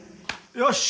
よし！